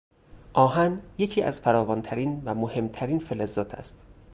آهن یکی از فراوان ترین و مهمترین فلزات است.